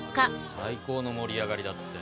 最高の盛り上がりだったよ。